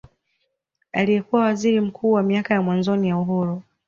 Aliyekuwa Waziri Mkuu miaka ya mwanzoni ya uhuru